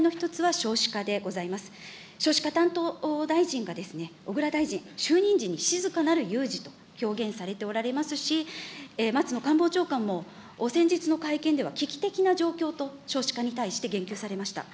少子化担当大臣が小倉大臣、就任時に静かなる有事と表現されておられますし、松野官房長官も、先日の会見では危機的な状況と、少子化に対して言及されました。